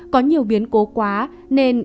có nhiều biến cố quá nên